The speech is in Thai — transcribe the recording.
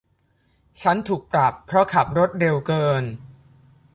ฉันถูกปรับเพราะขับรถเร็วเกิน